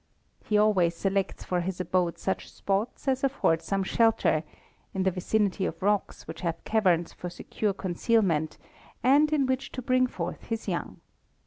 He always selects for his abode such spots as afford some shelter, in the vicinity of rocks which have caverns for secure concealment, and in which to bring forth his young.